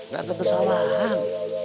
gak ada kesalahan